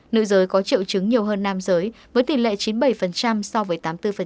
nữ giới có triệu chứng nhiều hơn nam giới với tỷ lệ chín mươi bảy so với tám mươi bốn